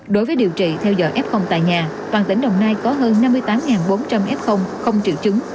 đối với điều trị theo giờ f tại nhà toàn tỉnh đồng nai có hơn năm mươi tám bốn trăm linh f không triệu chứng